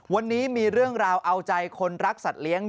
วันนี้มีเรื่องราวเอาใจคนรักสัตว์เลี้ยง